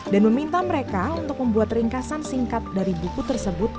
dan meminta mereka untuk membuat ringkasan singkat dari buku tersebut